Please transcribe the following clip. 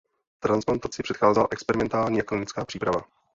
Transplantaci předcházela experimentální a klinická příprava.